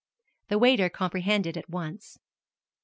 The waiter comprehended at once.